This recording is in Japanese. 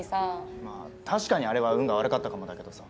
まあ確かにあれは運が悪かったかもだけどさ。